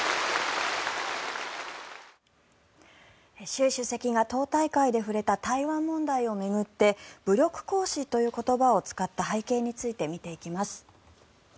習主席が党大会で触れた台湾問題を巡って武力行使という言葉を使った背景について見ていきます。